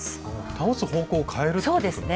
倒す方向を変えるってことなんですね。